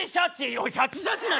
おいシャチ・シャチだ！